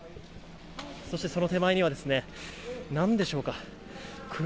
そして、その手前には車なんでしょうか。